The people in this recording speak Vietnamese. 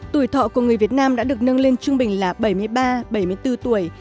tuổi thọ của người việt nam đã được nâng lên trung bình là bảy mươi ba bảy mươi bốn tuổi